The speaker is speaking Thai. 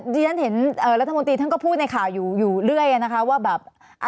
ที่ฉันเห็นรัฐมนตรีท่านก็พูดในข่าวอยู่อยู่เรื่อยนะคะว่าแบบ